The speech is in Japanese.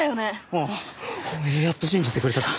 おめえやっと信じてくれたか。